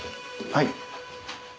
はい。